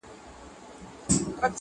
جار دي له حیا سم چي حیا له تا حیا کوي,